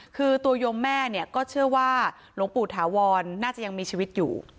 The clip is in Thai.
คือตัวยมแม่เนี่ยก็เชื่อว่าหลวงปู่ถาวรน่าจะยังมีชีวิตอยู่